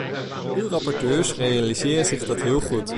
Uw rapporteurs realiseren zich dat heel goed.